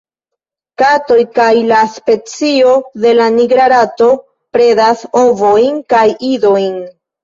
Katoj kaj la specio de la Nigra rato predas ovojn kaj idojn.